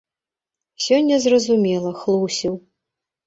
Сёння зразумела — хлусіў.